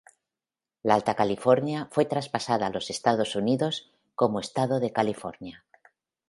La Alta California fue traspasada a los Estados Unidos como estado de California.